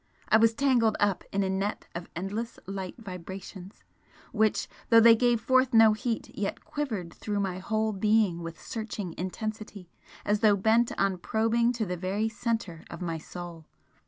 I was tangled up in a net of endless light vibrations which, though they gave forth no heat, yet quivered through my whole being with searching intensity as though bent on probing to the very centre of my soul!